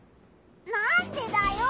なんでだよ！